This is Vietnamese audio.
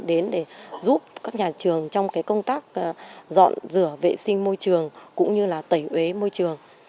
đến để giúp các nhà trường trong công tác dọn rửa vệ sinh môi trường cũng như là tẩy uế môi trường